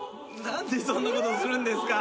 何でそんなことをするんですか？